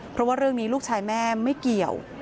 เพราะว่าเรื่องนี้ลูกชายแม่ไม่เกี่ยว